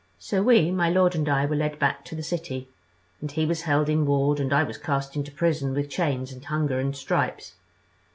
"So we, my lord and I, were led back to the city, and he was held in ward and I was cast into prison with chains and hunger and stripes.